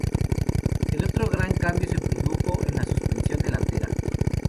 El otro gran cambio se produjo en la suspensión delantera.